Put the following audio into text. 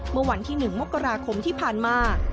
เมื่อวันที่๑มกราคมที่ผ่านมา